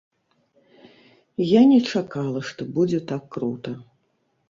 Я не чакала, што будзе так крута.